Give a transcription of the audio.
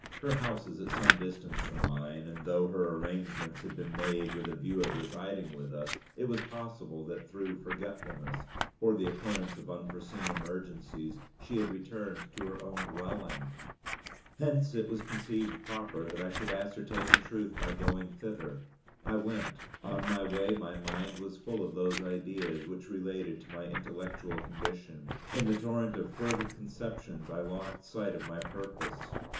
Her house is at some distance from mine, and though her arrangements had been made with a view of residing with us, it was possible that through forgetfulness, or the occurrence of unforeseen emergencies, she had returned to her own dwelling. Hence it was conceived proper that I should ascertain the truth by going thither. I went. On my way my mind was full of those ideas which related to my intellectual condition. In the torrent of fervid conceptions I lost sight of my purpose.